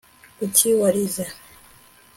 kuki warize